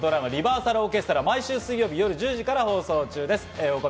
『リバーサルオーケストラ』は毎週水曜日、夜１０時から放送中です。